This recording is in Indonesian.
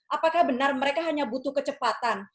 apakah benar mereka hanya butuh kecepatan